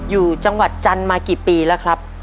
อยู่จังหวัดจันทร์มากี่ปีแล้วครับ